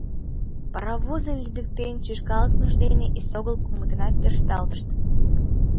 Паровозын лӱдыктен шӱшкалтымыж дене эсогыл кумытынат тӧршталтышт.